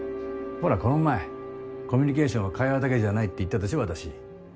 ほらこの前コミュニケーションは会話だけじゃないって言ったでしょ私。